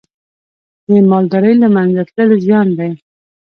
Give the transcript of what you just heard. د مالدارۍ له منځه تلل زیان دی.